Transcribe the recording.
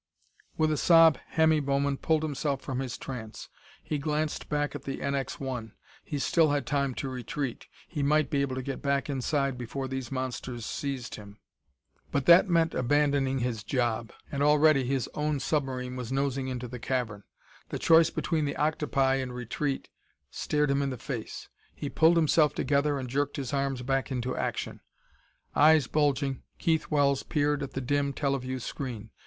With a sob, Hemmy Bowman pulled himself from his trance. He glanced back at the NX 1. He still had time to retreat. He might be able to get back inside before these monsters seized him. But that meant abandoning his job. And already his own submarine was nosing into the cavern. The choice between the octopi and retreat stared him in the face. He pulled himself together and jerked his arms back to action. Eyes bulging, Keith Wells peered at the dim teleview screen.